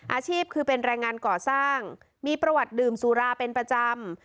อาชีพคือเป็นแรงงานก่อสร้างมีประวัติดื่มสุราเป็นประจำ